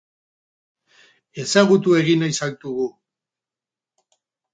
Ezagutu egin nahi zaitugu!